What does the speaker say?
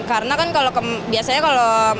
karena kan biasanya kalau